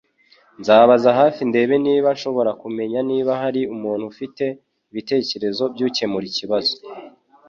Nzabaza hafi ndebe niba nshobora kumenya niba hari umuntu ufite ibitekerezo byukemura ikibazo.